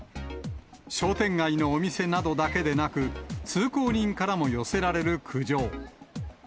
商店街のお店などだけでなく、通行人からも寄せられる苦情。